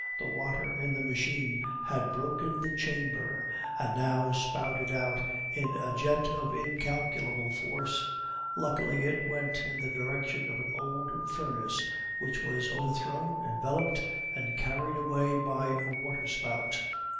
The water in the machine had broken the chamber, and now spouted out in a jet of incalculable force; luckily it went in the direction of an old furnace, which was overthrown, enveloped and carried away by a waterspout.